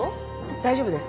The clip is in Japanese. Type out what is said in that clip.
大丈夫ですか？